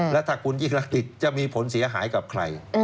และถ้าคุณยิ่งรักติดจะมีผลเสียหายกับใคร